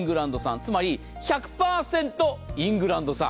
つまり１００％イングランド産。